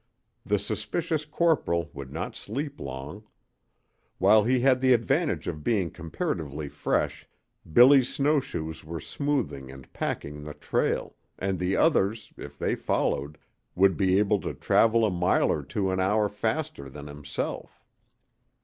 The suspicious corporal would not sleep long. While he had the advantage of being comparatively fresh, Billy's snow shoes were smoothing and packing the trail, and the others, if they followed, would be able to travel a mile or two an hour faster than himself.